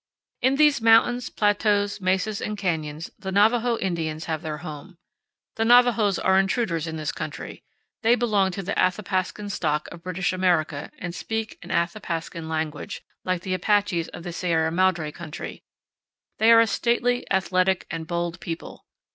In these mountains, plateaus, mesas, and canyons the Navajo Indians have their home. The Navajos are intruders in this country. They belong to the Athapascan stock of British America and speak an Athapascan language, like the Apaches of the Sierra Madre country. They are a stately, athletic, and bold people.